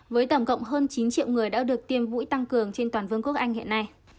với tổng cộng hơn chín triệu người đã được tiêm vũ tăng cường trên toàn vương quốc anh hiện nay